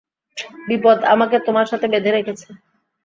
বিপদ আমাকে তোমার সাথে বেঁধে রেখেছে।